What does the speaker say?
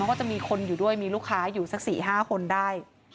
ก็จะมีคนอยู่ด้วยมีลูกค้าอยู่สัก๔๕คนได้